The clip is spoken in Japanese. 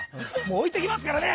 置いていきますからね！